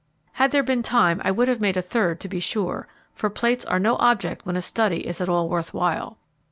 Had there been time, I would have made a third to be sure, for plates are no object when a study is at all worth while.